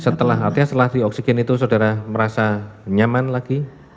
setelah di oksigen itu saudara merasa nyaman lagi